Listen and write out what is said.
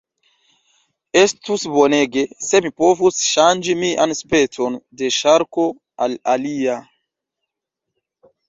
Estus bonege, se mi povus ŝanĝi mian specon de ŝarko al alia.